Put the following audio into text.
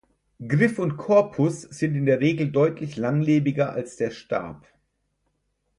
Griff und Korpus sind in der Regel deutlich langlebiger als der Stab.